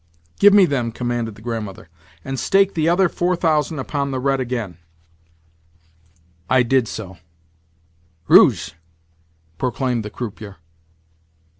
"Give me them," commanded the Grandmother, "and stake the other 4000 upon the red again." I did so. "Rouge!" proclaimed the croupier.